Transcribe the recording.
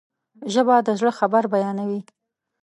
ژبه د زړه خبر بیانوي